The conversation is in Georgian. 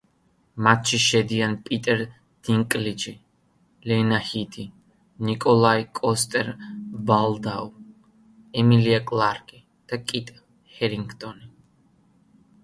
მათში შედიან პიტერ დინკლიჯი, ლენა ჰიდი, ნიკოლაი კოსტერ-ვალდაუ, ემილია კლარკი და კიტ ჰერინგტონი.